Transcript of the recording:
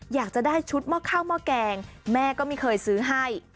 อยากจะได้ชุดหม้อข้าวหม้อแกงแม่ก็ไม่เคยซื้อให้